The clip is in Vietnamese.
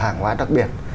hàng hóa đặc biệt